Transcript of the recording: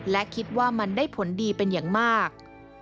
และคิดว่ามันได้ผลดีเป็นอย่างมาก